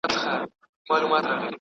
پر لکړه چي پړکیږي د زمان د حکم زور دی